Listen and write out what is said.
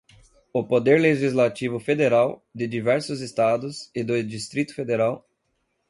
o poder legislativo federal, de diversos Estados e do Distrito Federal